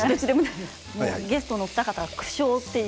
ゲストのお二方は苦笑という。